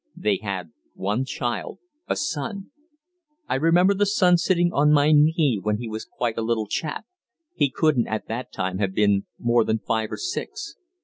They had one child, a son. I remember the son sitting on my knee when he was quite a little chap he couldn't at that time have been more than five or six.